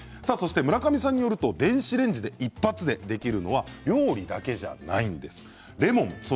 村上さんによると電子レンジでイッパツでできるのは料理だけじゃないんです。